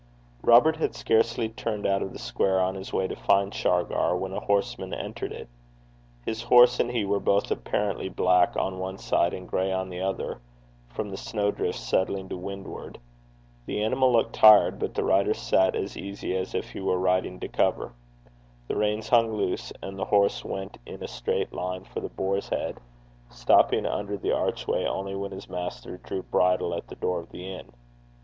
Robert had scarcely turned out of the square on his way to find Shargar, when a horseman entered it. His horse and he were both apparently black on one side and gray on the other, from the snow drift settling to windward. The animal looked tired, but the rider sat as easy as if he were riding to cover. The reins hung loose, and the horse went in a straight line for The Boar's Head, stopping under the archway only when his master drew bridle at the door of the inn.